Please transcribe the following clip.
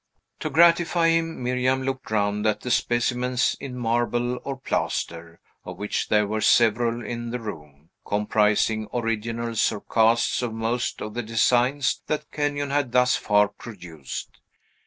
To gratify him, Miriam looked round at the specimens in marble or plaster, of which there were several in the room, comprising originals or casts of most of the designs that Kenyon had thus far produced.